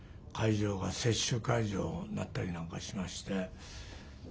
会場が接種会場になったりなんかしまして。